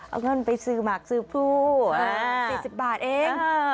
เอาเงินไปซื้อหมักซื้อผู้๔๐บาทเอง